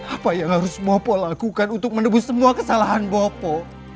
apa yang harus bopo lakukan untuk menembus semua kesalahan bopo